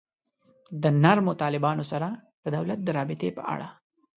د نرمو طالبانو سره د دولت د رابطې په اړه.